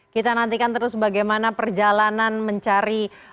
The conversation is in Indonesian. kita nantikan terus bagaimana perjalanan mencari bakal cawapres ini ya